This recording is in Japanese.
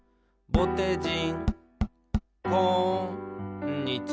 「ぼてじん」